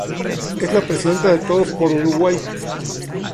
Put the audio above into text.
Es la presidenta de Todos por Uruguay.